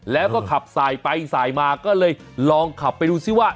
แล้วก็ขับสายไปสายมาก็เลยลองขับไปดูซิว่า